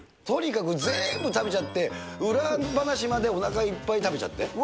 とにかく全部食べちゃって、裏話までおなかいっぱい食べちゃって。